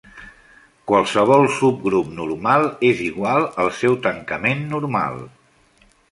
Qualsevol subgrup normal és igual al seu tancament normal.